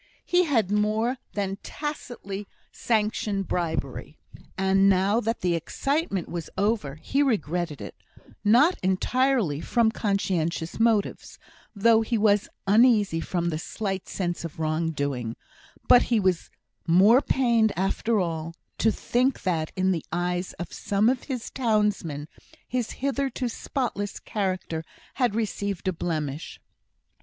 He had more than tacitly sanctioned bribery; and now that the excitement was over, he regretted it; not entirely from conscientious motives, though he was uneasy from a slight sense of wrong doing; but he was more pained, after all, to think that, in the eyes of some of his townsmen, his hitherto spotless character had received a blemish.